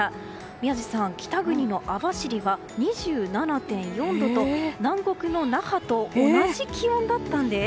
宮司さん、北国の網走が２７．４度と、南国の那覇と同じ気温だったんです。